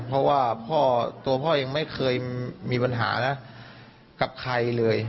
เพราะว่าพ่อตัวพ่อยังไม่เคยมีปัญหากับใครเลย